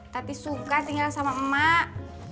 tapi suka tinggal sama emak